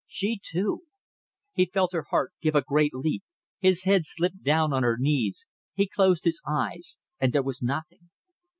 She too! He felt her heart give a great leap, his head slipped down on her knees, he closed his eyes and there was nothing.